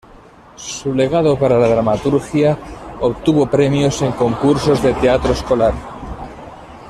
Su legado para la dramaturgia obtuvo premios en concursos de teatro escolar.